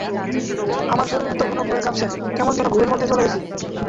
আমার শরীর তখনো ভয়ে কাঁপছে, কেমন যেন ঘোরের মধ্য চলে গেছি।